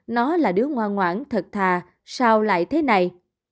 nó là đứa ngoan ngoãn thật thà sao lại thế này